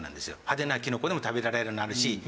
派手なキノコでも食べられるのあるし。